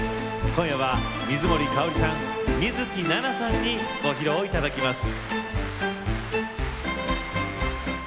今夜は水森かおりさん、水樹奈々さんにご披露いただきます。